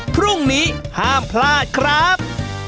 พรุ่งนี้ห้ามพลาดครับ